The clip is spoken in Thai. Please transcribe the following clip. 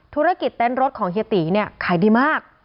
ธุรกิจเต้นรถของเฮียติขายดีมาก